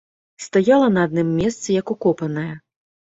Стаяла на адным месцы як укопаная.